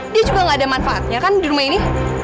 dia juga gak ada manfaatnya kan di rumah ini